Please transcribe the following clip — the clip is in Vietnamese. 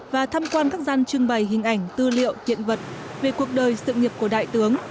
và thăm quan các gian trưng bày hình ảnh tư liệu hiện vật về cuộc đời sự nghiệp của đại tướng